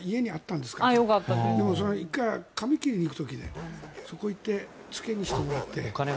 でもその１回は髪を切りに行く時でそこへ行って付けにしてもらって。